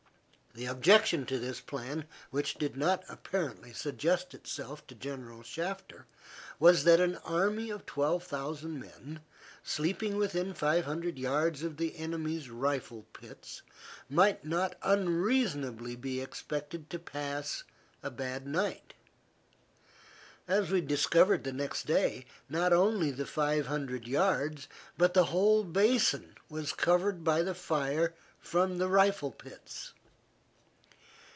The objection to this plan, which did not apparently suggest itself to General Shafter, was that an army of twelve thousand men, sleeping within five hundred yards of the enemy's rifle pits, might not unreasonably be expected to pass a bad night. As we discovered the next day, not only the five hundred yards, but the whole basin was covered by the fire from the rifle pits.